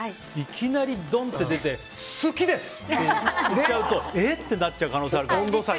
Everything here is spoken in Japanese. いきなりドンって出て好きです！って言っちゃうとえ？